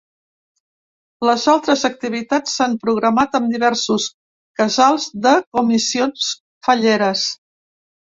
Les altres activitats s’han programat en diversos casals de comissions falleres.